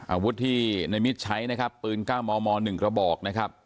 อาวุธที่ในมิตรใช้นะครับปืน๙มม๑กระบอกนะครับ